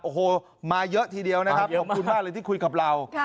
โอ้โหมาเยอะทีเดียวนะครับขอบคุณมากเลยที่คุยกับเรา